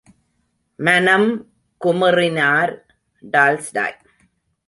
மனம் குமுறினார் டால்ஸ்டாய்!